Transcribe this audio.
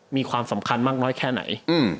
มีความสำคัญมากน้อยแค่ไหน